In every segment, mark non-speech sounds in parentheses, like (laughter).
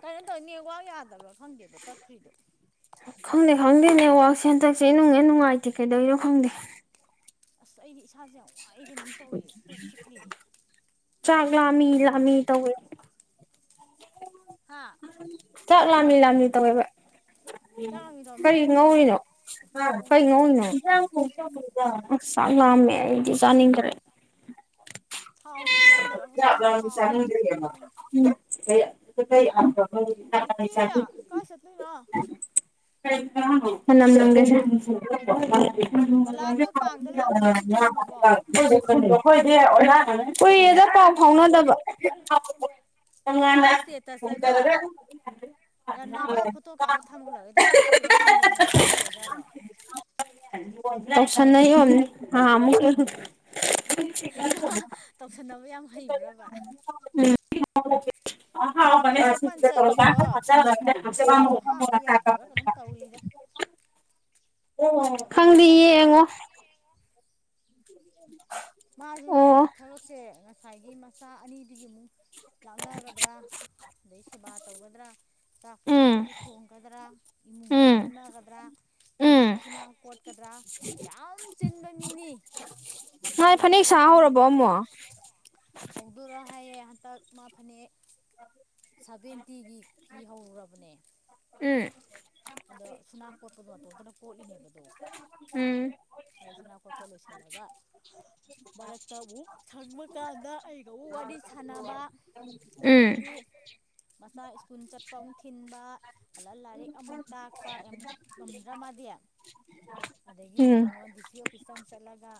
ꯀꯩꯅꯣ ꯇꯧꯏꯗꯣ ꯅꯦꯠꯋꯥꯛ ꯌꯥꯗꯕ꯭ꯔꯥ ꯈꯪꯗꯦꯕ ꯇꯠꯇꯈ꯭ꯔꯤꯗꯣ ꯈꯪꯗꯦ-ꯈꯪꯗꯦ ꯅꯦꯠꯋꯥꯛꯁꯦ ꯍꯟꯗꯛꯁꯦ ꯏꯅꯨꯡ ꯍꯦꯛ ꯅꯨꯡꯉꯥꯏꯇꯦ ꯀꯩꯗꯧꯏꯅꯣ ꯈꯪꯗꯦ ꯑꯁ ꯑꯩꯗꯤ ꯏꯁꯥꯁꯦ ꯌꯥꯝ ꯋꯥꯏ ꯋꯥꯏ ꯀꯩꯅꯣꯝ ꯇꯧꯏ ꯀꯣꯛ ꯆꯤꯛꯂꯦ ꯆꯥꯛ ꯂꯥꯝꯃꯤ ꯂꯥꯝꯃꯤ ꯇꯧꯋꯦ ꯍꯥ ꯆꯥꯛ ꯂꯥꯝꯂꯤ-ꯂꯥꯝꯂꯤ ꯇꯧꯋꯦꯕ ꯆꯥꯔꯝꯈꯤꯗꯕꯅꯦ ꯀꯔꯤ ꯑꯩꯈꯣꯏ ꯁꯤꯗ ꯉꯧꯔꯤꯅꯣ ꯍꯥ ꯀꯔꯤ ꯊꯣꯡꯉꯣꯅ ꯉꯧꯔꯤꯅꯣ ꯈꯪꯗꯦ ꯎꯝꯆꯥꯛ ꯂꯥꯝꯃꯦ ꯑꯩꯗꯤ ꯆꯥꯅꯤꯡꯒꯔꯦ ꯊꯥꯎꯁꯨ ꯑꯃꯛ ꯆꯥꯅꯤꯡꯗꯦꯕ ꯉꯁꯥꯏꯁꯨ ꯊꯥꯎꯒ ꯆꯥꯁꯤꯟꯕ꯭ꯔ ꯈꯪꯗꯦ ꯀ ꯊꯤꯊꯤ ꯀꯥꯏ ꯆꯠꯇꯣꯏꯅꯣ (unintelligible) ꯃꯅꯝ ꯅꯝꯒꯦ ꯁꯦ ꯎꯝ ꯕꯂꯥꯗꯣ ꯀꯥꯡꯗ ꯂꯥꯛꯀꯅꯤ ꯑꯗꯨ ꯆꯨꯝꯃꯕꯣ (unintelligible) ꯍꯣꯏꯗꯤ ꯑꯣꯖꯥꯅꯅꯦ ꯀꯨꯏꯔꯗ ꯄꯥꯎ ꯐꯥꯎꯅꯗꯕ (unintelligible) ꯃꯥ ꯇꯣꯡꯉꯥꯟꯅ ꯏꯁꯇꯦꯇꯁꯇꯒ ꯊꯣꯡꯖꯤꯟꯔꯒ ꯔꯟꯅꯒ ꯐꯣꯇꯣ ꯀꯥꯞꯄ ꯊꯝꯃꯂꯛꯏꯗꯣ ꯀꯣꯏ ꯆꯠꯂꯤꯔꯥ ꯈꯪꯗꯦ ꯉꯁꯤꯒꯤ ꯑꯣꯏꯖꯥꯠꯔꯣ (inaudible) ꯇꯧꯁꯟꯅꯩ ꯑꯣꯏꯔꯝꯅꯤ ꯅꯍꯥꯟꯃꯨꯛꯀꯤ ꯃꯥꯥ ꯇꯧꯁꯟꯅꯕ ꯌꯥꯝ ꯍꯩꯕ꯭ꯔꯕ (inaudible) ꯅꯣꯏ ꯆꯦ ꯎꯝ ꯄꯟꯆꯒꯤꯗꯣ (inaudible) (inaudible) ꯇꯧꯋꯤꯗ ꯑꯣ ꯈꯪꯗꯦ ꯃꯀꯨꯕꯣꯛꯀꯤ ꯐꯣꯟꯗꯣ ꯌꯦꯡꯉꯣ (unintelligible) ꯃꯥꯁꯨꯅꯦ ꯑꯣ ꯊꯕꯛꯁꯦ ꯉꯁꯥꯏꯒꯤ ꯃꯆꯥ ꯑꯅꯤꯗꯨꯒꯤ ꯑꯃꯨꯛ ꯂꯥꯛꯅꯒꯗ꯭ꯔꯥ ꯑꯗꯩ ꯁꯦꯕꯥ ꯇꯧꯒꯗ꯭ꯔꯥ ꯆꯥꯛꯄ ꯎꯝ ꯏꯁꯤꯡꯕꯨ ꯊꯣꯡꯒꯗ꯭ꯔꯥ ꯎꯝ ꯏꯃꯨꯡꯒꯤꯃꯨꯛ ꯍꯣꯠꯅꯒꯗ꯭ꯔꯥ ꯎꯝ ꯐꯤꯕꯨꯁꯨꯅ ꯀꯣꯠꯀꯗ꯭ꯔꯥ ꯌꯥꯝ ꯆꯤꯟꯕ ꯃꯤꯅꯤ ꯃꯥ ꯐꯅꯦꯛ ꯁꯥ ꯍꯧꯔꯕꯣ ꯑꯃꯨꯛ ꯍꯧꯗꯣꯔꯥ ꯍꯥꯏꯌꯦ ꯍꯟꯇꯛ ꯃꯥ ꯐꯅꯦꯛ ꯁꯚꯦꯟꯇꯤꯒꯤ ꯐꯤ ꯍꯧꯔꯕꯅꯦ ꯎꯝ꯫ ꯑꯗꯣ ꯁꯨꯅꯥ ꯀꯣꯠꯄꯗꯣ ꯃꯇꯣꯝꯇꯅ ꯀꯣꯠꯂꯤꯅꯦꯕꯗꯣ ꯎꯝ ꯑꯗ ꯁꯅꯥ ꯈꯣꯠꯄ ꯂꯣꯏꯁꯤꯜꯂꯒ ꯃꯔꯛꯇ ꯑꯃꯨꯛ ꯊꯪꯕ ꯀꯥꯟꯗ ꯑꯩ ꯗꯧ ꯋꯥꯔꯤ ꯁꯥꯟꯅꯕ ꯎꯝ ꯑꯗꯩꯗꯤ ꯃꯆꯥ ꯁ꯭ꯀꯨꯜ ꯆꯠꯄ ꯑꯃꯨꯛ ꯊꯤꯟꯕ ꯍꯥꯜꯂ ꯂꯥꯏꯔꯤꯛ ꯑꯃꯨꯛ ꯇꯥꯛꯄ ꯌꯥꯝ ꯉꯝꯗ꯭ꯔꯥ ꯃꯥꯗꯤ ꯑꯗꯒꯤꯗꯤ ꯎꯝ ꯌꯦꯡꯉꯣ ꯗꯤ ꯁꯤ ꯑꯣꯐꯤꯁ ꯇꯥ ꯑꯃꯨꯛ ꯆꯠꯂꯒ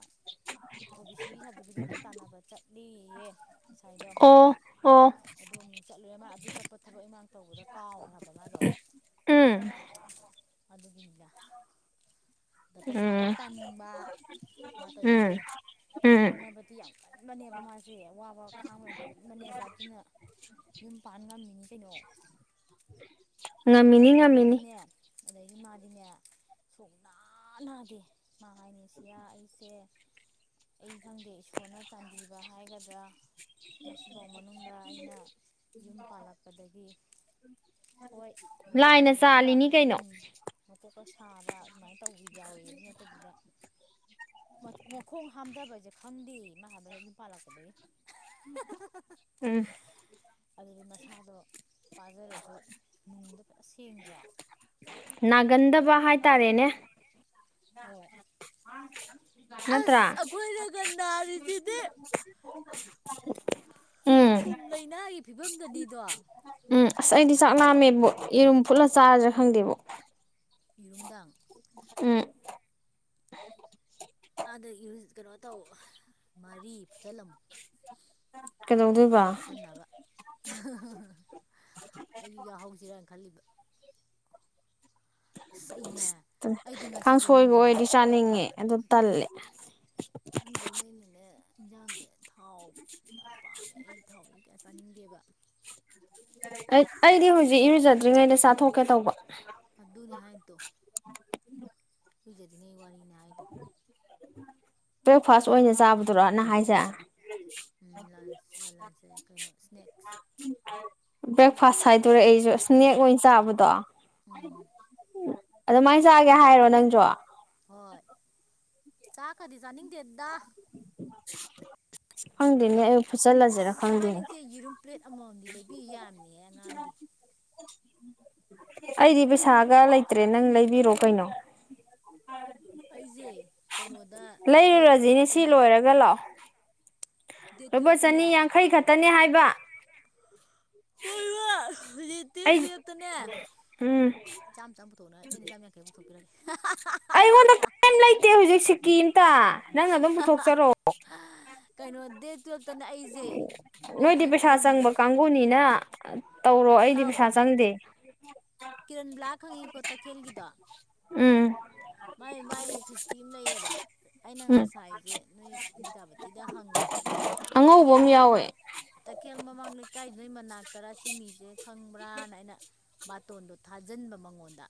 ꯑꯣ ꯕꯤ ꯁꯤꯒꯤ ꯁꯥꯔꯇꯤꯐꯤꯀꯦꯠꯀꯤ ꯇꯥꯟꯅꯕ ꯆꯠꯂꯤꯌꯦ ꯉꯁꯥꯏꯗꯣ ꯑꯣ ꯑꯣ ꯑꯗꯨ ꯑꯃꯨꯛ ꯆꯠꯂꯨꯔꯦ ꯃꯥ ꯑꯗꯨ ꯆꯠꯄ ꯊꯕꯛ ꯏꯃꯥꯡ ꯇꯧꯕꯗ ꯀꯥꯎꯈ꯭ꯔꯕ ꯃꯥꯗꯣ ꯎꯝ ꯑꯗꯨꯒꯤꯅꯤꯗꯥ ꯑꯗ ꯄꯩꯁꯥꯁꯨ ꯎꯝ ꯇꯥꯅꯤꯡꯕ ꯃꯥꯅ ꯎꯝ ꯇꯧꯔꯤꯁꯦ ꯎꯝ ꯍꯣꯠꯅꯕꯗꯤ ꯌꯥꯝ ꯀꯟꯕꯅꯦꯕ ꯃꯥꯁꯦ ꯑꯋꯥꯕ ꯈꯥꯡꯕ ꯌꯥꯝ ꯀꯟꯕꯅꯦꯕ ꯑꯗꯨꯅ ꯌꯨꯝ ꯄꯥꯟ ꯉꯝꯃꯤꯅꯤ ꯀꯩꯅꯣ ꯉꯝꯃꯤꯅꯤ ꯀꯥꯏꯗꯒꯤ ꯉꯝꯃꯤꯅꯤ ꯑꯗꯩꯗꯤꯅꯦ ꯑꯗꯩꯗꯤ ꯃꯥꯗꯤꯅꯦ ꯁꯨ ꯅꯥ ꯅꯥꯗꯦ ꯃꯥ ꯍꯥꯏꯅꯤ ꯁꯤꯌꯥ ꯑꯩꯁꯦ ꯑꯩ ꯈꯪꯗꯦ ꯏꯁꯣꯔꯅ ꯆꯥꯟꯕꯤꯕ ꯍꯥꯏꯒꯗ꯭ꯔꯥ ꯉꯁꯤꯐꯥꯎ ꯃꯅꯨꯡꯗ ꯑꯩꯅ ꯌꯨꯝ ꯄꯥꯜꯂꯛꯄꯗꯒꯤ ꯍꯣꯏ ꯂꯣꯛꯅ ꯂꯥꯏꯅ ꯉꯥꯏꯍꯥꯛꯀ ꯆꯥꯜꯂꯤꯅꯤ ꯀꯩꯅꯣ ꯎꯝ ꯃꯀꯣꯛꯀ ꯁꯥꯕ ꯑꯗꯨꯃꯥꯏꯅ ꯇꯧꯕ ꯌꯥꯎꯋꯦ ꯑꯗꯨ ꯅꯠꯇꯕꯤꯗ ꯃꯈꯣꯡ ꯍꯥꯝꯊꯕꯁꯦ ꯈꯪꯗꯦ ꯃꯥ ꯍꯥꯏꯕ ꯍꯦꯛ ꯌꯨꯝ ꯄꯥꯜꯂꯛꯄꯗꯒꯤ ꯎꯝ꯫ ꯑꯗꯨꯗꯤ ꯃꯁꯥꯗꯣ ꯄꯥꯖꯔꯁꯨ ꯅꯨꯡꯗ ꯐ ꯁꯦꯡꯗ꯭ꯔꯣ ꯅꯥꯒꯟꯗꯕ ꯅꯒꯥꯟꯗꯕ ꯍꯥꯏꯇꯥꯔꯦꯅꯦ ꯍꯥꯏꯇꯔꯦꯅꯦ ꯍꯣꯏ ꯃꯥꯅ ꯈꯤꯏꯇꯪ ꯑꯁ ꯑꯩꯈꯣꯏꯅꯒ ꯅꯥꯔꯤꯁꯤꯗꯤ (inaudible) ꯎꯝ꯫ ꯀꯨꯝ ꯂꯩꯅꯥꯒꯤ ꯐꯤꯕꯝꯗꯨꯅꯤꯗꯣ ꯎꯝ ꯑꯁ ꯑꯩꯗꯤ ꯆꯥꯛ ꯂꯥꯝꯃꯦꯕꯣ ꯌꯦꯔꯨꯝ ꯄꯨꯠꯂ ꯆꯥꯔꯁꯤꯔꯥ ꯈꯪꯗꯦꯕꯨ ꯌꯦꯔꯨꯝꯗꯥꯡ ꯎꯝ ꯑꯥꯗ ꯏꯔꯨ ꯀꯩꯅꯣ ꯇꯧ ꯃꯔꯤ ꯐꯨꯆꯜꯂꯝꯃꯨ ꯑꯩꯁꯨ ꯀꯩꯗꯧꯗꯣꯏꯕ ꯌꯥꯎꯁꯟꯅꯕ ꯑꯩꯁꯨ ꯌꯥꯍꯧꯁꯤꯔꯥꯅ ꯈꯜꯂꯤꯕ ꯑꯁ ꯑꯩꯅꯦ ꯑꯩꯗꯤ ꯉꯁꯤꯁꯦ ꯀꯥꯡꯁꯣꯏꯒ ꯅꯨꯡꯊꯤꯟꯗ ꯑꯣꯏꯔꯗꯤ ꯆꯥꯅꯤꯡꯉꯦ ꯐꯖꯅ ꯑꯗꯨ ꯎꯝ ꯇꯜꯂꯦ ꯈꯪꯗꯦ ꯃꯣꯏꯅꯅꯦ ꯏꯟꯖꯥꯡꯗ ꯊꯥꯎ ꯌꯥꯝ ꯄꯥꯝꯃꯦ ꯑꯩꯒꯤ ꯊꯥꯎꯁꯦ ꯀꯌꯥ ꯆꯥꯅꯤꯡꯗꯦꯕ ꯑꯩ ꯑꯩꯗꯤ ꯍꯧꯖꯤꯛ ꯏꯔꯨꯖꯗ꯭ꯔꯤꯉꯩꯗ ꯆꯥꯊꯣꯛꯀꯦ ꯇꯧꯕ ꯑꯗꯨꯅꯦ ꯍꯥꯏꯗꯣ ꯏꯔꯨꯖꯔꯤꯉꯩ ꯋꯥꯔꯤꯅꯦ ꯍꯥꯏꯗꯣ ꯕ꯭ꯔꯦꯛꯐꯥꯁ ꯑꯣꯏꯅ ꯆꯥꯕꯗꯨꯔꯣ ꯅꯪ ꯍꯥꯏꯁꯦ ꯎꯝ ꯂꯥꯟꯁ ꯂꯟꯁꯦ ꯀꯩꯅꯣ ꯁꯅꯦꯛꯁ (unintelligible) ꯕ꯭ꯔꯦꯛꯐꯥꯁ ꯍꯥꯏꯗꯣꯔꯦ ꯑꯩꯁꯨ ꯁꯅꯦꯛꯁ ꯑꯣꯏꯅ ꯆꯥꯕꯗꯣ ꯎꯝ ꯑꯗꯨꯃꯥꯏꯅ ꯆꯒꯦ ꯑꯗꯨꯒꯤꯅꯦ ꯍꯥꯏꯔꯣ ꯅꯪꯁ‌ꯣ ꯍꯣꯏ ꯆꯥꯛꯀꯗꯤ ꯆꯥꯅꯤꯡꯗꯦꯗꯥ ꯈꯪꯗ‌ꯦꯅꯦ ꯑꯌꯨ ꯑꯁ ꯏꯕꯥꯅꯤꯁ‌ꯦ ꯌꯦꯔꯨꯝ ꯄ꯭ꯂꯦꯠ ꯑꯃꯃꯝꯗꯤ ꯂꯩꯕꯤ ꯌꯥꯝꯅꯤꯍ‌ꯦ ꯑꯉꯥꯡꯒꯤ ꯑꯩꯗꯤ ꯄꯩꯁꯥꯒ ꯂꯩꯇ꯭ꯔꯦ ꯅꯪ ꯂꯩꯕꯤꯔꯣ ꯀꯩꯅꯣ ꯑꯩꯖ‌ꯦ ꯀꯩꯅꯣꯗ ꯗꯦꯠ ꯇꯨꯌꯦꯜꯐꯇꯅꯦ (unintelligible) ꯂꯥꯛꯑ‌ꯣ ꯂꯨꯄꯥ ꯇꯨꯌꯦꯜꯞꯇꯅꯦ ꯆꯥꯅꯤ ꯌꯥꯡꯈꯩ ꯈꯛꯇꯅꯤ ꯍꯥꯏꯕ ꯍꯣꯏ ꯏꯃꯥ ꯍꯧꯖꯤꯛꯇꯤ ꯑꯩ ꯇꯨꯌꯦꯜꯞꯇꯅꯦ ꯎꯝ ꯆꯥꯝ ꯆꯝ ꯄꯨꯊꯣꯛꯅ ꯑꯩꯅ ꯆꯥꯝ ꯌꯥꯡꯈꯩ ꯄꯨꯊꯣꯛꯄꯤꯔꯒꯦ ꯑꯩꯉꯣꯟꯗ ꯀꯔꯤꯝ ꯂꯩꯇꯦ ꯍꯧꯖꯤꯛ ꯁꯤꯀꯤꯑꯝꯇ ꯅꯪꯅ ꯑꯗꯨꯝ ꯄꯨꯊꯣꯛꯆꯔ‌ꯣ ꯀꯩꯅꯣ ꯗꯦꯠ ꯇꯨꯌꯦꯜꯞꯇꯅ ꯑꯩꯁꯦ ꯅꯣꯏꯆꯦ ꯀꯤꯔꯟꯕꯂꯥ ꯄꯨꯅꯤꯅ ꯇꯧꯔꯣ ꯅꯥ ꯑꯩꯗꯤ ꯄꯩꯁꯥ ꯇꯥꯎꯕ ꯆꯪꯗꯦ ꯀꯤꯔꯟꯕꯂꯥ ꯈꯪꯉꯤꯀꯣ ꯇꯈꯦꯜꯒꯤꯗꯣ ꯎꯝ ꯃꯥꯏ ꯃꯥꯏ ꯁꯨꯁꯇꯤ ꯑꯝ ꯂꯩꯌꯦꯕ ꯑꯩꯅ ꯎꯝ ꯉꯁꯥꯏꯁꯦ ꯅꯣꯏ ꯕꯤꯗꯄꯇꯤꯗ ꯍꯪꯕ ꯑꯉꯧꯕ ꯇꯈꯦꯜ ꯑꯃ ꯌꯥꯎꯋꯦ ꯃꯃꯥꯡ ꯇꯈꯦꯜ ꯃꯃꯥꯡ ꯂꯩꯀꯥꯏ ꯅ‌ꯣꯏ ꯃꯅꯥꯛꯇꯔꯥ ꯁꯤ ꯃꯤꯁꯦ ꯈꯪꯕ꯭ꯔꯥꯅ ꯑꯩꯅ ꯕꯥꯇꯣꯟꯗꯣ ꯊꯥꯖꯤꯟꯕ ꯃꯉꯣꯟꯗ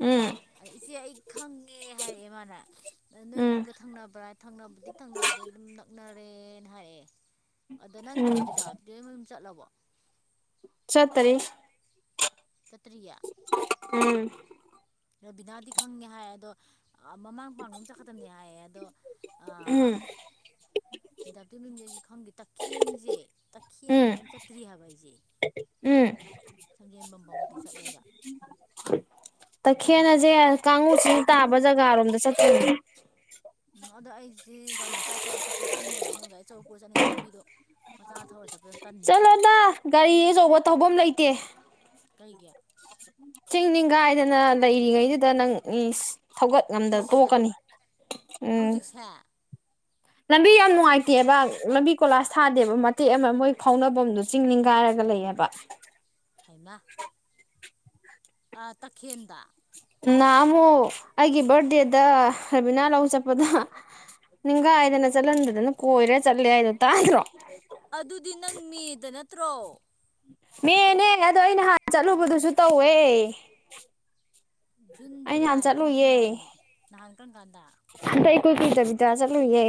ꯎꯝ ꯑꯗ ꯏꯆꯦ ꯑꯩ ꯈꯪꯉꯦ ꯍꯥꯏꯔꯛꯑꯦ ꯃꯥꯅ ꯅꯣꯏ ꯎꯝ ꯌꯨꯝꯒ ꯊꯪꯅꯕ꯭ꯔꯥ ꯊꯪꯅꯕꯗꯤ ꯊꯪꯅꯗꯦ ꯑꯗꯨꯝ ꯅꯛꯅ ꯔꯦꯅ ꯍꯥꯏꯔꯛꯑ‌ꯦ ꯑꯗꯣ ꯅꯪ ꯎꯝ ꯕꯤꯗꯥꯞꯇꯤ ꯍ‌ꯣꯏ ꯃꯌꯨꯝ ꯆꯠꯂꯕꯣ ꯆꯠꯇꯔꯤ ꯆꯠꯇ꯭ꯔꯤꯌ‌ꯦ ꯎꯝ ꯔꯕꯤꯅꯥꯗꯤ ꯈꯪꯉꯦ ꯍꯥꯏ ꯑꯗꯣ ꯃꯃꯥꯡ ꯄꯄꯥꯡꯅ ꯗꯨꯝ ꯆꯠꯀꯗꯕꯅꯤ ꯍꯥꯏꯌꯦ ꯑꯗꯣ ꯑꯥ ꯎꯝ ꯕꯤꯗꯥꯄꯇꯤ ꯍ‌ꯣꯏ ꯃꯌꯨꯝꯁ‌ꯦ ꯑꯩꯁꯨ ꯈꯪꯗꯦ ꯇꯈꯦꯟꯁꯦ ꯇꯈꯦꯟꯁꯦ ꯎꯝ ꯑꯃꯨꯛ ꯆꯠꯇ꯭ꯔꯤ ꯍꯥꯏꯕ ꯑꯩꯁꯦ ꯎꯝ ꯁꯟꯖ‌ꯦꯟꯕꯝꯐꯥꯎꯗꯤ ꯆꯠꯂꯦꯕ ꯇꯈꯦꯟꯁꯦ ꯀꯥꯡꯉꯨꯆꯤꯡ ꯇꯥꯕ ꯖꯒꯥꯔꯣꯝꯗ ꯆꯠꯇ‌ꯣꯏꯅꯤ ꯎꯝ ꯑꯗ ꯑꯩꯁꯤ ꯒꯥꯔꯤ ꯃꯆꯥ ꯇꯧꯔꯒ ꯆꯠꯄꯗꯤ ꯆꯠꯅꯤꯡꯗꯕ ꯑꯩꯅ ꯑꯃꯨꯛ ꯒꯥꯔꯤꯆꯧ ꯄꯨꯔ ꯆꯠꯅꯤꯡꯉꯦ ꯂꯝꯕꯤꯗꯣ ꯃꯆꯥ ꯊꯧꯔ ꯆꯠꯄ ꯇꯟꯕ ꯆꯠꯂꯣꯗ ꯒꯥꯔꯤ ꯑꯆꯧꯕ ꯊꯧꯐꯝ ꯂꯩꯇꯦ ꯀꯩꯒꯤ ꯆꯤꯡ ꯅꯤꯡꯒꯥꯏꯗꯅ ꯂꯩꯔꯤꯉꯩꯁꯤꯗ ꯅꯪ‌ ꯏꯁ ꯊꯧꯒꯠ ꯉꯝꯗ ꯍꯧꯖꯤꯛꯁꯦ ꯇꯣꯛꯀꯅꯤ ꯎꯝ ꯍꯧꯖꯤꯛꯁꯦ ꯂꯝꯕꯤ ꯌꯥꯝ ꯅꯨꯡꯉꯥꯏꯇꯦꯕ ꯂꯝꯕꯤ ꯀꯣꯂꯥꯁ ꯊꯥꯗꯦꯕ ꯃꯇꯦꯛ ꯑꯃ ꯃꯣꯏ ꯈꯥꯎꯅꯐꯝꯗꯨ ꯆꯤꯡ ꯅꯤꯡꯈꯥꯏꯔꯒ ꯂꯩꯌꯦꯕ ꯍꯥꯏꯃ ꯑꯥ ꯇꯈꯦꯟꯗ ꯅꯍꯥꯟꯃꯨꯛ ꯑꯩꯒꯤ ꯕꯥꯔꯗꯦꯗ ꯔꯕꯤꯅꯥ ꯂꯧ ꯆꯠꯄꯗ ꯅꯤꯡꯈꯥꯏꯗꯅ ꯆꯠꯍꯟꯗꯗꯅ ꯀꯣꯏꯔ ꯆꯠꯂꯦ ꯍꯥꯏꯗꯣ ꯇꯥꯗ꯭ꯔꯣ ꯑꯗꯨꯗꯤ ꯅꯪ ꯃ‌ꯦꯗ ꯅꯠꯇ꯭ꯔꯣ ꯃ‌ꯦꯅꯦ ꯑꯗꯣ ꯑꯩ ꯅꯍꯥꯟ ꯆꯠꯂꯨꯕꯗꯨꯁꯨ ꯇꯧꯋꯦ ꯖꯨꯟ ꯑꯩ ꯅꯍꯥꯟ ꯖꯨꯂꯥꯏ ꯖꯨꯛ ꯆꯠꯂꯨꯌꯦ ꯖꯨꯂꯥꯏꯅꯦ ꯅꯍꯥꯟ ꯀꯔꯝ ꯀꯥꯟꯗ ꯍꯟꯗꯛ ꯏꯀꯨꯏ ꯀꯨꯏꯗꯕꯤꯗ ꯆꯠꯂꯨꯏꯌꯦ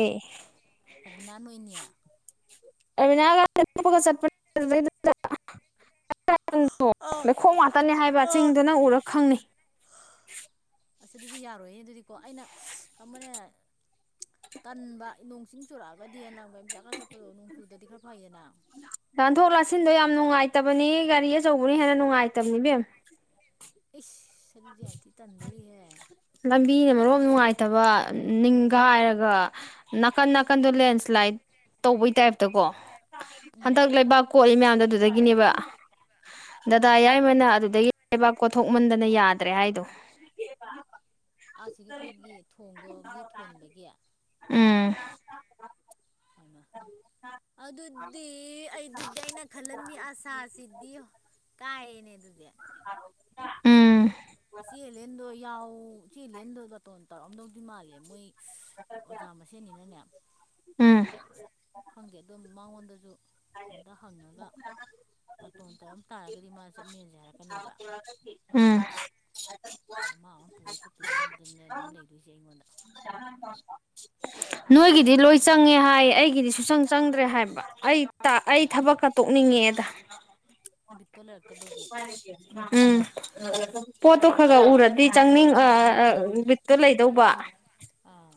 ꯔꯕꯤꯅꯥ ꯅꯣꯏꯅꯤ ꯔꯕꯤꯅꯥꯒ (unintelligible) ꯑꯥ (unintelligible) ꯂꯩꯈꯣꯝ ꯉꯥꯛꯇꯅ‌ꯦ ꯍꯥꯏꯕ ꯑꯥ ꯆꯤꯡꯗꯨ ꯅꯪ ꯎꯔ ꯈꯪꯅꯤ ꯑꯁ ꯑꯗꯨꯗꯤ ꯌꯥꯔꯣꯏꯍ‌ꯦ ꯑꯗꯨꯗꯤꯀꯣ ꯑꯩꯅ ꯈꯟꯕꯅ ꯇꯟꯕ ꯅꯣꯡ ꯆꯤꯡ ꯆꯨꯔꯛꯑꯒꯗꯤꯅ ꯒꯔꯤ ꯃꯆꯥꯒ ꯆꯠꯄꯗꯣ ꯅꯣꯡ ꯆꯨꯗꯗꯤ ꯈꯔ ꯐꯩꯌꯦꯅ ꯫ ꯂꯥꯟꯊꯣꯛ ꯂꯥꯁꯤꯟꯗꯣ ꯌꯥꯝ ꯅꯨꯡꯉꯥꯏꯇꯕꯅꯤ ꯒꯥꯔꯤ ꯑꯆꯧꯕꯅ ꯍꯦꯟꯅ ꯅꯨꯡꯉꯥꯏꯇꯕꯅꯤ ꯏꯕꯦꯝꯃ ꯫ ꯏꯁ ꯑꯗꯨꯗꯤ ꯌꯥꯝ ꯊꯤ ꯇꯟꯗꯣꯔꯤꯍꯦ ꯂꯝꯕꯤꯅ ꯃꯔꯣꯟ ꯑꯝ ꯅꯨꯡꯉꯥꯏꯇꯕ ꯑ ꯅꯤꯡꯒꯥꯏꯔꯒ ꯅꯥꯀꯟ ꯅꯥꯀꯟꯗꯣ ꯂꯦꯟꯁ꯭ꯂꯥꯏꯠ ꯇꯧꯕꯩ ꯇꯥꯏꯞꯇꯀꯣ ꯎꯝ ꯍꯟꯗꯛ ꯂꯩꯕꯥꯛ ꯀꯣꯠꯂꯤ ꯃꯌꯥꯝꯗꯣ ꯑꯗꯨꯗꯒꯤꯅꯦꯕ ꯗꯗꯥ ꯎꯝ ꯌꯥꯏꯃꯅ ꯑꯗꯨꯗꯒꯤ ꯂꯩꯕꯥꯛ ꯀꯣꯊꯣꯛꯃꯟꯗꯅ ꯌꯥꯗ꯭ꯔꯦ ꯍꯥꯏꯗꯣ ꯫ ꯑꯥꯁꯤꯒꯤ ꯑꯩꯈꯣꯏꯒꯤ ꯊꯣꯡꯗꯣꯒꯤ ꯊꯣꯟꯕꯒꯤ ꯎꯝ ꯍꯥꯏꯃ ꯑꯗꯨꯗꯤ ꯑꯩꯗꯤ ꯑꯩꯅ ꯈꯜꯂꯝꯃꯤ ꯑꯁꯥꯁꯤꯗꯤ ꯀꯥꯏꯔ‌ꯦꯅꯦ ꯑꯗꯨꯗꯤ ꯎꯝ ꯏꯆꯦ ꯍꯦꯂꯦꯟꯗꯣ ꯌꯥꯎ ꯏꯆꯦ ꯂꯦꯟꯗ‌ꯣ ꯕꯥꯇꯣꯟ ꯇꯧꯔꯛꯑꯝꯗꯧꯗꯤ ꯃꯥꯜꯂꯦ ꯃꯣꯏ ꯑꯣꯖꯥ ꯃꯁꯦꯟꯅꯤꯅꯅꯦ ꯎꯝ ꯈꯪꯗꯦ ꯑꯗ‌ꯣ ꯃꯉꯣꯟꯗꯖꯨ ꯑꯝꯇ ꯍꯪꯉꯒ ꯕꯥꯇꯣꯟ ꯇꯧꯔꯝ ꯇꯥꯔꯒꯗꯤ ꯃꯥꯅ ꯆꯠꯃꯤꯟꯅꯁꯦ ꯍꯥꯏꯔꯛꯀꯅꯦꯕ (inaudible) ꯎꯝ ꯑ ꯃꯥ ꯃꯨ ꯄꯨꯔ ꯆꯠꯄꯩ ꯐꯥꯚꯝꯗꯨꯅ‌ꯦ ꯑꯗꯨꯝ ꯂꯩꯗꯣꯏꯖ‌ꯦ ꯑꯩꯉꯣꯟꯗ ꯫ ꯑꯗꯣ ꯅꯣꯏꯒꯤꯗꯤ ꯈꯪꯗꯦ ꯂꯣꯏ ꯃꯥꯁꯨ ꯃꯥ ꯆꯪꯉꯦ ꯍꯥꯏ ꯑꯩꯒꯤꯗꯤ ꯁꯨꯨꯆꯪ ꯆꯪꯗ꯭ꯔꯦ ꯍꯥꯏꯕ ꯑꯩ ꯇ ꯑꯎ ꯊꯕꯛꯀ ꯇꯣꯛꯅꯤꯡꯉ‌ꯦꯑꯦꯗ ꯫ ꯕꯤꯠꯇ‌ꯣ ꯂꯩꯔꯛ ꯎꯝ ꯄꯣꯠꯇꯣ ꯈ꯭ꯔ ꯈ꯭ꯔ ꯎꯔ ꯗꯤ ꯆꯪꯅꯤꯡ ꯑ ꯑ ꯕꯤꯠꯇꯣ ꯂꯩꯗꯧꯕ ꯫ ꯑꯥ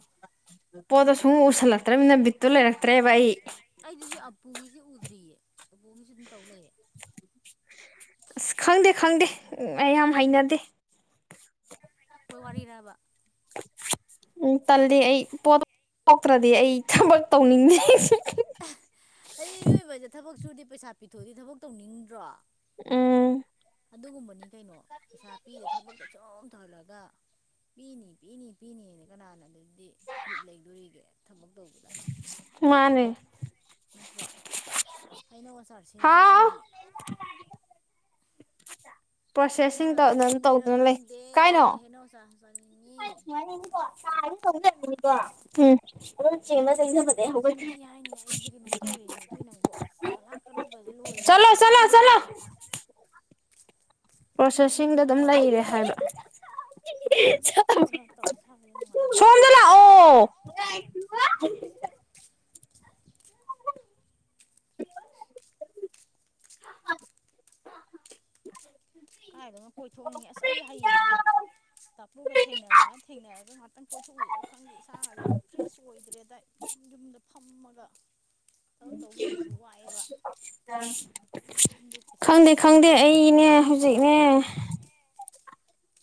ꯄꯣꯠꯇꯣ ꯁꯨꯡꯉꯨ ꯎꯁꯤꯜꯂꯛꯇ꯭ꯔꯝꯅꯤꯅ ꯕꯤꯠꯇꯨ ꯂꯩꯔꯛꯇ꯭ꯔꯦꯕ ꯑꯩ ꯫ ꯑꯩꯗꯨꯁꯤ ꯑꯄꯨꯒꯤꯁꯤ ꯎꯗ꯭ꯔꯤꯌꯦ ꯑꯄꯨꯒꯤꯁꯤ ꯗꯨꯝ ꯇꯧ ꯂꯩꯔ‌ꯦ ꯑꯁ ꯈꯪꯗꯦ ꯈꯪꯗꯦ ꯑꯩ ꯌꯥꯝ ꯍꯩꯅꯗꯦ ꯍ‌ꯣꯏ ꯋꯥꯔꯤꯔꯕ ꯎꯝ ꯇꯜꯂꯤ ꯑꯩ ꯄꯣꯠ (inaudible) ꯊꯣꯛꯇ꯭ꯔꯗꯤ ꯑꯩ ꯊꯕꯛ ꯇꯧꯅꯤꯡꯗꯦ ꯑꯩ ꯃꯤꯌ‌ꯣꯏꯕꯩꯁꯦ ꯊꯕꯛ ꯁꯨꯔꯗꯤ ꯄꯩꯁꯥ ꯄꯤꯊꯣꯛꯑꯗꯤ ꯊꯕꯛ ꯇꯧꯅꯤꯡꯗ꯭ꯔꯣ ꯎꯝ ꯑꯗꯨꯒꯨꯝꯕꯅꯤ ꯀꯩꯅꯣ ꯄꯩꯁꯥ ꯄꯤꯗꯦ ꯊꯕꯛꯇ ꯁꯨꯝ ꯇꯧꯍꯜꯂꯒ ꯄꯤꯅꯤ ꯄꯤꯅꯤ ꯄꯤꯅꯤꯅ ꯀꯅꯥꯅ ꯑꯗꯨꯗꯤ ꯕꯤꯠ ꯂꯩꯗꯣꯔꯤꯒꯦ ꯊꯕꯛ ꯇꯧꯕꯗ ꯃꯥꯅꯦ ꯅꯠꯇ꯭ꯔꯣ ꯍꯩꯅ‌ꯧ ꯑꯆꯥꯥꯔ ꯁꯦꯝꯁꯤꯔꯥ ꯍꯥꯎ ꯈꯪꯗꯤꯌ‌ꯦ (unintelligible) ꯍꯩꯅꯧ ꯄ꯭ꯔꯣꯁꯦꯁꯤꯡ ꯑꯆꯥꯔ ꯇꯧꯗꯨꯅ ꯁꯦꯝꯁꯤꯔ ꯇꯧꯗꯨꯅ ꯂꯩ ꯈꯪꯗꯦ ꯀꯥꯏꯅꯣ (inaudible) ꯍꯩꯅꯧ ꯑꯆꯥꯔ (unintelligible) ꯎꯝ ꯆꯥꯅꯤꯡꯉꯤ (unintelligible) ꯅꯆꯤꯟ ꯊꯤ ꯍꯥꯏꯅꯤ ꯑꯩꯁꯦ ꯀꯩꯅꯣꯝ ꯇꯧꯔꯦꯃꯤ ꯍ‌ꯦꯟꯊꯣꯏ ꯅꯪꯕꯨ ꯑꯁ ꯀꯂꯥ ꯀꯔꯨꯒꯁꯦ ꯂꯣꯏꯔꯦꯃꯤ ꯆꯠꯂꯣ ꯁꯨꯝ ꯆꯠꯂꯣ ꯐꯝ ꯆꯠꯂꯣ ꯂꯩꯕꯒꯤ ꯄ꯭ꯔꯣꯁꯦꯁꯤꯡꯗ ꯑꯗꯨꯝ ꯈꯔ ꯂꯩꯔꯦ ꯍꯥꯏꯕ ꯁꯨꯃꯥꯏꯅ ꯆꯠ ꯈꯣꯠꯇꯅ ꯇꯧꯔꯥ ꯏꯁꯥ ꯑꯗꯨꯅ ꯅꯨꯡꯉꯥꯏꯗꯧ ꯃꯥꯜꯂꯦ ꯁꯣꯝꯗ ꯑꯩꯁꯦ (unintelligible) (inaudible) (unintelligible) ꯀꯥꯏꯗꯅꯣꯝ ꯀꯣꯏꯊꯣꯛꯅꯤꯡꯉꯦ ꯑꯁ ꯑꯩ ꯍꯌꯦꯡꯖꯦ ꯇꯥꯛꯄꯨꯒ ꯊꯦꯡꯅꯖꯦ ꯍꯥꯏ ꯊꯦꯡꯅꯔꯒ ꯉꯍꯥꯛꯇꯪ ꯀꯣꯢꯊꯣꯛꯎꯖꯤꯔ ꯈꯪꯗꯦ ꯏꯁꯥꯥꯒꯖ‌ꯦ ꯐ꯭ꯔꯦꯁ ꯑꯣꯏꯗ꯭ꯔꯦꯗ ꯑꯩ ꯌꯨꯝꯗ ꯐꯝꯃꯒ ꯊꯕꯛ ꯇꯧ ꯂꯩꯕꯖꯤꯖꯨ ꯋꯥꯏꯑꯦꯕ ꯌꯨꯝꯗꯩ ꯄꯩꯁꯥ ꯈꯪꯗꯦ ꯇꯥꯟꯕ ꯈꯪꯗꯦ ꯍꯥꯏꯁꯤꯁꯨ ꯑꯩꯅꯦ ꯍꯧꯖꯤꯛꯅꯦ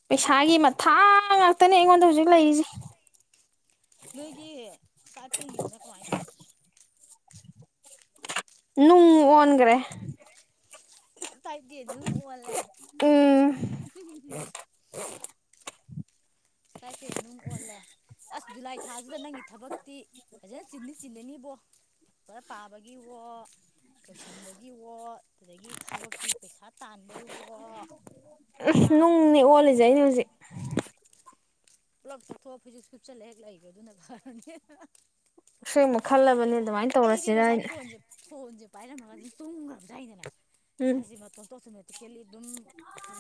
ꯄꯩꯁꯥꯒꯤ ꯃꯊꯥ ꯉꯥꯛꯇꯅꯦ ꯑꯩꯉꯣꯟꯗ ꯍꯧꯖꯤꯛ ꯂꯩꯔꯤꯖ‌ꯦ ꯅꯣꯏꯒꯤ ꯀꯥꯠꯄ‌ꯦꯟꯒꯤꯗꯨꯅ ꯀꯃꯥꯏꯅ ꯇꯧꯋꯤꯕ ꯅꯨꯡ ꯑꯣꯟꯒ꯭ꯔꯦ ꯇꯥꯏꯞꯗ‌ꯦꯟ ꯅꯨꯡ ꯑꯣꯜꯂꯦ ꯎꯝ (unintelligible) ꯏꯁꯇꯥꯢꯄꯦꯟ ꯅꯨꯡ ꯑꯣꯜꯂꯦ ꯑꯁ ꯖꯨꯂꯥꯏ ꯊꯥꯖꯤꯗ ꯅꯪꯒꯤ ꯊꯕꯛꯇꯤ ꯐꯖꯅ ꯆꯤꯟꯗꯤ ꯆꯤꯟꯅꯅꯤꯕꯣ ꯄꯔ ꯄꯥꯕꯒꯤꯑꯣ ꯂꯣꯏꯁꯟꯕꯒꯤꯑꯣ ꯑꯗꯒꯤ ꯊꯕꯛꯀꯤ ꯄꯩꯁꯥ ꯇꯥꯟꯕꯒꯤꯋꯣ ꯎꯝ ꯅꯨꯡꯅꯦ ꯑꯣꯜꯂꯤꯖꯦ ꯑꯩꯅ ꯍꯧꯖꯤꯛ ꯄꯨꯂꯞ ꯇꯧꯊꯣꯛꯑ ꯐꯩꯖꯨꯞ ꯁꯨꯨꯞꯆꯜꯂ ꯍꯦꯛ ꯂꯩ꯭ꯒꯔꯦ ꯑꯗꯨꯅ ꯐꯔꯅꯤ (unintelligible) ꯑꯁꯦꯡꯕ ꯈꯜꯂꯕꯅꯦ ꯑꯗꯨꯃꯥꯏꯅ ꯑꯩꯗꯤ ꯇꯧꯔꯁꯤꯔ ꯉꯁꯥꯏ ꯍꯥꯏꯅ ꯐꯣꯟꯖ‌ꯦ ꯐꯣꯟꯖ‌ꯦ ꯄꯥꯏꯔꯝꯃꯒ ꯑꯗꯨꯝ ꯇꯨꯒ꯭ꯔꯕꯖꯥꯠꯅꯤꯗꯅ ꯎꯝ ꯏꯁꯥꯖꯤꯃꯛ ꯇꯣꯇꯣꯁꯨꯃꯇꯤꯀꯦꯜꯂꯤ ꯗꯨꯝ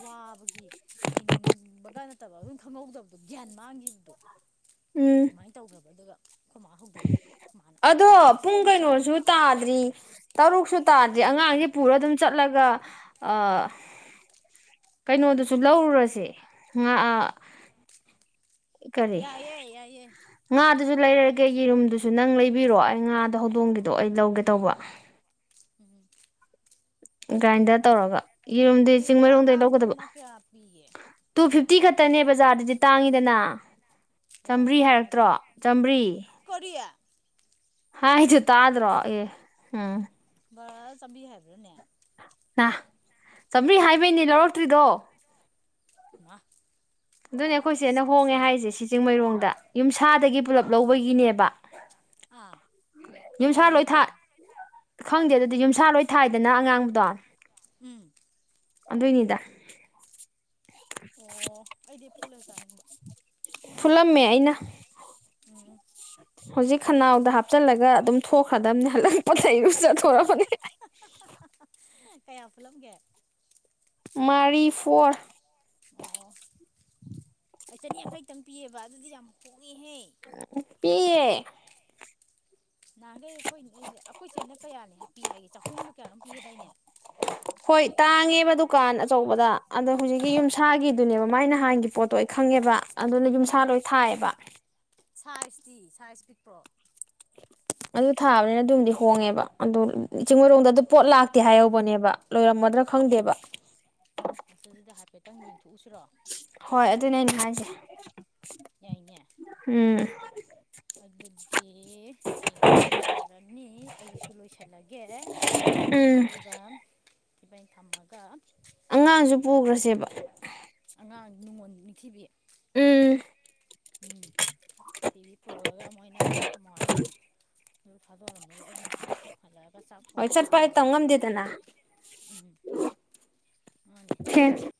ꯋꯥꯕꯒꯤ ꯍꯩꯅꯤꯡꯕꯒꯥ ꯅꯠꯇꯕ ꯑꯗꯨꯝ ꯈꯪꯍꯧꯗꯕꯗꯣ ꯒ꯭ꯌꯥꯟ ꯃꯥꯡꯒꯤꯕꯗꯣ (inaudible) ꯎꯝ ꯃꯥꯏꯟ ꯇꯧꯒ꯭ꯔꯕ ꯑꯗꯨꯒ ꯑꯈꯣꯏ ꯃꯥ ꯍꯧꯗꯣꯛꯔꯛꯑꯦ ꯈꯣꯢ ꯃꯥꯅ ꯇꯣ ꯄꯨꯡ ꯁꯦꯝ ꯀꯩꯅꯣꯁꯨ ꯆꯥꯎꯑꯣꯅ ꯇꯥꯗ꯭ꯔꯤ ꯇꯔꯨꯛꯁꯨ ꯇꯥꯗ꯭ꯔꯤ ꯑꯉꯥꯡꯁꯡꯖ‌ꯦ ꯄꯨꯔ ꯑꯗꯨꯝ ꯆꯠꯂꯒ ꯑ ꯀꯩꯅꯣꯗꯨꯁꯨ ꯂꯧꯔꯨꯔꯁꯦ ꯉ ꯑ ꯀꯔꯤ ꯌꯥꯏꯌꯦ ꯌꯥꯏꯌꯦ ꯉꯥꯗꯨꯁꯨ ꯂꯩꯔꯒꯦ ꯌꯦꯔꯨꯝꯗꯨꯁꯨ ꯅꯪ ꯂꯩꯕꯤꯔꯣ ꯑꯩ ꯉꯥꯗꯣ ꯍꯧꯗꯣꯡꯒꯤꯗꯣ ꯑꯩ ꯂꯧꯒꯦ ꯇꯧꯕ ꯎꯝ ꯒ꯭ꯔꯥꯏꯟꯗꯔ ꯌꯦꯔꯨꯝꯗꯣ ꯇꯧꯔꯒ ꯌꯦꯔꯨꯝꯗꯤ ꯌꯦꯔꯨꯝꯗꯣ ꯆꯤꯡꯃꯩꯔꯣꯡꯗꯩ ꯂꯧꯒꯗꯕ ꯑꯉꯥꯡꯕꯗꯨꯅ ꯀꯌꯥ ꯄꯤꯒꯦ ꯇꯨ ꯐꯤꯐꯇꯤ ꯈꯠꯇꯅꯦ ꯕꯖꯥꯔꯗꯗꯤ ꯇꯥꯡꯉꯤꯗꯅ ꯕꯖꯥꯔꯗ ꯆꯥꯝꯕ꯭ꯔꯤ ꯀꯌꯥ ꯍꯥꯏꯕ ꯍꯥꯏꯔꯛꯇ꯭ꯔꯣ ꯆꯥꯝꯕ꯭ꯔꯤ ꯀꯔꯤ ꯍꯥꯏꯗꯨ ꯇꯥꯗ꯭ꯔꯣ ꯑꯦ ꯍꯨꯝ ꯕꯔꯔꯥ ꯆꯥꯝꯃ꯭ꯔꯤ ꯍꯥꯏꯕ꯭ꯔꯥꯅꯦ ꯅ ꯆꯥꯝꯃ꯭ꯔꯤ ꯍꯥꯏꯕꯩꯅꯦ ꯂꯧꯔꯛꯇ꯭ꯔꯤꯗꯣ ꯏꯃꯥ ꯑꯗꯨꯅꯦ ꯑꯩꯈꯣꯏ ꯆ‌ꯦꯅ ꯍꯣꯡꯉꯦ ꯍꯥꯏꯖꯦ ꯁꯤ ꯆꯤꯡꯃꯩꯔꯣꯡꯗ ꯌꯨꯝꯁꯥꯗꯒꯤ ꯄꯨꯂꯞ ꯂꯧꯕꯒꯤꯅꯦꯕ ꯑꯥ ꯌꯨꯝꯁꯥ ꯑꯉꯧꯕꯗꯨꯅ ꯀꯌꯥ ꯂꯣꯏꯊꯥꯠ ꯈꯪꯗꯦ ꯑꯗꯨꯗꯤ ꯌꯨꯝꯁꯥ ꯂꯣꯏ ꯊꯥꯏꯗꯅ ꯑꯉꯥꯡꯕꯗꯣ ꯎꯝ ꯑꯗꯨꯏꯅꯤꯗ (inaudible) ꯑꯣ ꯑꯩꯗꯤ ꯐꯨꯠꯂ ꯆꯥꯅꯤꯡꯕ꯫ ꯐꯨꯂꯝꯃꯦ ꯑꯩꯅ꯫ ꯎꯝ꯫ ꯍꯧꯖꯤꯛ ꯈꯅꯥꯎꯗ ꯍꯥꯞꯆꯜꯂꯒ ꯑꯗꯨꯝ ꯊꯣꯛꯈ꯭ꯔꯗꯕꯅꯦ ꯍꯂꯛ ꯄꯣꯠꯆꯩ (unintelligible) ꯑꯗꯨ ꯆꯠꯊꯣꯔꯑꯕꯅꯤ ꯀꯌꯥ ꯐꯨꯠꯂꯝꯒꯦ꯫ ꯃꯔꯤ ꯐꯣꯔ꯫ ꯑꯣ ꯑꯩ ꯆꯅꯤ ꯌꯥꯡꯈꯩꯇꯪ ꯄꯤꯌꯦꯕ ꯑꯗꯨꯗꯤ ꯌꯥꯝ ꯍꯣꯡꯉꯦꯍꯦ꯫ ꯄꯤꯌꯦ ꯅꯍꯥꯟꯈꯩ ꯑꯩꯈꯣꯏ ꯑꯩꯈꯣꯏꯆꯦꯅ ꯀꯌꯥꯅꯤ ꯍꯥꯞꯄꯤ ꯍꯥꯏꯒꯦ ꯆꯍꯨꯝꯒ ꯀꯌꯥꯅꯣꯝ ꯄꯤꯌꯦꯗꯥꯏꯅꯦ ꯍꯣꯏ ꯅꯍꯥꯟꯋꯥꯏ ꯇꯥꯡꯉꯦꯕ ꯗꯨꯀꯥꯟ ꯑꯆꯧꯕꯗ ꯑꯗꯣ ꯍꯧꯖꯤꯛꯀꯤ ꯑꯥ ꯌꯨꯝꯁꯥꯒꯤ ꯑꯗꯨꯅꯦꯕ ꯃꯥꯏ ꯅꯍꯥꯟꯒꯤ ꯄꯣꯠꯇꯣ ꯑꯩ ꯈꯪꯉꯦꯕ ꯑꯗꯨꯅ ꯌꯨꯝꯁꯥ ꯎꯝ ꯂꯣꯏ ꯊꯥꯏꯌꯦꯕ ꯁꯥꯏꯖꯇꯤ ꯁꯥꯏꯖ ꯄꯤꯛꯄ꯭ꯔꯣ ꯑꯗꯨ ꯊꯥꯕꯅꯤꯅ ꯑꯗꯨꯝꯗꯤ ꯍꯣꯡꯉꯦꯕ ꯑꯗꯨ ꯆꯤꯡꯃꯩꯔꯣꯡꯗ ꯑꯗꯨ ꯄꯣꯠ ꯂꯥꯛꯇꯦ ꯍꯥꯏꯍꯧꯕꯅꯦꯕ ꯂꯣꯏꯔꯝꯃꯗ꯭ꯔꯥ ꯈꯪꯗꯦꯕ ꯑꯁ ꯑꯗꯨꯗꯤ ꯍꯥꯏꯐꯦꯠꯇꯪ ꯌꯦꯡꯊꯣꯛꯎꯁꯤꯔꯣ ꯍꯣꯏ ꯑꯗꯨꯅꯦ ꯑꯩꯅ ꯍꯥꯏꯁꯦ ꯌꯥꯏꯅꯦ ꯎꯝ ꯑꯗꯨꯗꯤ ꯌꯦꯡꯊꯣꯛꯄ ꯌꯥꯔꯅꯤ ꯑꯩꯁꯨ ꯂꯣꯏꯁꯜꯂꯒꯦ ꯎꯝ ꯑꯗꯨꯒ ꯏꯕꯅꯤ ꯊꯝꯃꯒ ꯑꯉꯥꯡꯁꯨ ꯄꯨꯒꯔ꯭ꯁꯦꯕ ꯑꯉꯥꯡ ꯅꯨꯡꯉꯣꯟ ꯅꯤꯡꯊꯤꯕꯤ ꯎꯝ ꯎꯝ ꯗꯤꯂꯤ ꯄꯨꯔꯒ ꯃꯣꯏꯅ ꯈꯣꯏꯃꯥ ꯍꯣꯏꯅ ꯑꯗꯨ ꯊꯥꯗꯣꯛꯔꯝꯕꯗꯨ ꯑꯩꯅ ꯍꯜꯂꯛꯑꯒ ꯆꯥꯛ ꯍꯣꯏ ꯊꯣꯡꯕꯤꯔꯁꯨ ꯆꯠꯄ ꯍꯥꯏ ꯌꯥꯔꯦ ꯇꯝ ꯉꯝꯗꯦꯗꯅ ꯎꯝ ꯃꯥꯅꯤ ꯍꯦ